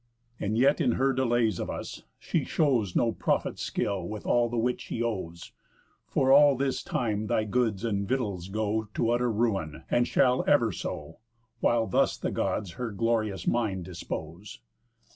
And yet, in her delays of us, she shows No prophet's skill with all the wit she owes; For all this time thy goods and victuals go To utter ruin; and shall ever so, While thus the Gods her glorious mind dispose.